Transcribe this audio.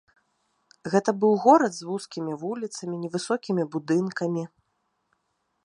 Гэта быў горад з вузкімі вуліцамі, невысокімі будынкамі.